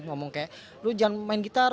ngomong kayak lu jangan main gitar